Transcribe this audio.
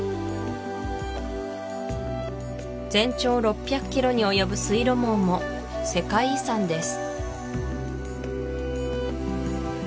全長６００キロに及ぶ水路網も世界遺産です